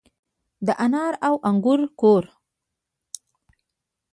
د انار او انګور کور.